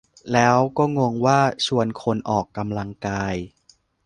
แล้วก็งงว่า "ชวนคนออกกำลังกาย"